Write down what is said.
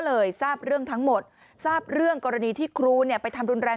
เลยทราบเรื่องทั้งหมดทราบเรื่องกรณีที่ครูเนี่ยไปทำรุนแรง